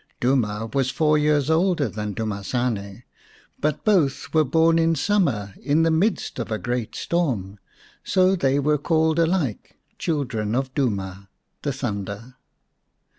Duma was four years older than Dumasane, but both were born in summer in the midst of a great storm, so they were called alike children of Duma, the thunder.